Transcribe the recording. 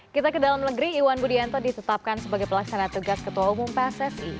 kita ke dalam negeri iwan budianto ditetapkan sebagai pelaksana tugas ketua umum pssi